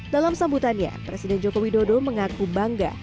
dalam sambutannya presiden joko widodo mengaku bangga